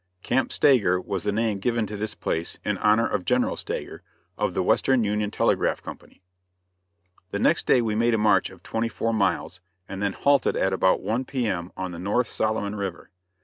Camp Stager was the name given to this place, in honor of General Stager, of the Western Union Telegraph Company. The next day we made a march of twenty four miles, and then halted at about 1 P. M. on the North Solomon River.